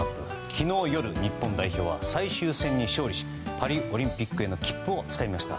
昨日夜、日本代表は最終戦に勝利しパリオリンピックへの切符をつかみました。